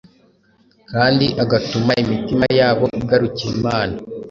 kandi agatuma imitima yabo igarukira imana.